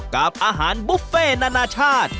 กับอาหารบุฟเฟ่นานานาชาติ